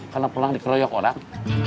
karena pulang dikeroyok orang